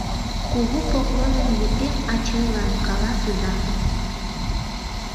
Кугу поклоным Епрем ачыйлан каласыза.